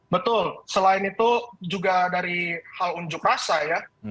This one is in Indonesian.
betul selain itu juga dari hal unjuk rasa ya